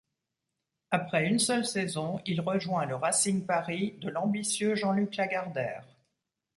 Après une seule saison, il rejoint le Racing Paris de l'ambitieux Jean-Luc Lagardère.